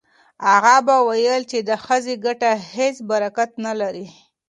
اغا به ویل چې د ښځې ګټه هیڅ برکت نه لري.